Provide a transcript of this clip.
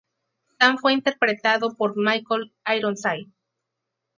Sam fue interpretado por Michael Ironside.